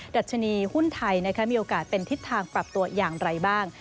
ดัชนีหุ้นไทยมีโอกาสเป็นทิศทางปรับตัวอย่างไรบ้าง